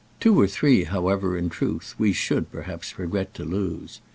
Two or three, however, in truth, we should perhaps regret to lose.